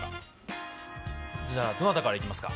どなたからいきますか？